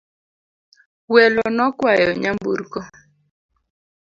Welo nokwayo nyamburko